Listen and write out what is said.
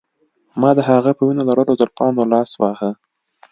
ما د هغې په وینو لړلو زلفو لاس واهه